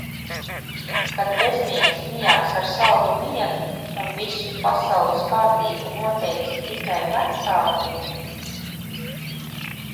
Kad bezmiegs mijās ar saldu miegu un visu pasaules kārtību noteica tikai vecāki...